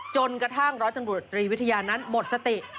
จนกระทั่งร้อยตำรวจตรีวิทยานั้นหมดสติ